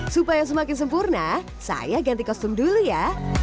supaya semakin sempurna saya ganti kostum dulu ya